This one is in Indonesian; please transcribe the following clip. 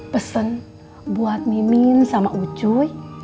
pesen buat mimin sama ucuy